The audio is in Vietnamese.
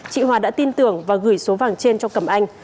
chị hòa đã tin tưởng và gửi số vàng trên cho cầm anh